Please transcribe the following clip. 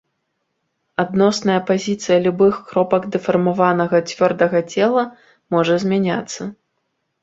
Адносная пазіцыя любых кропак дэфармаванага цвёрдага цела можа змяняцца.